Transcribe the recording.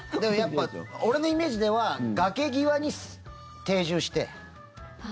でも、やっぱ俺のイメージでは崖際に定住して。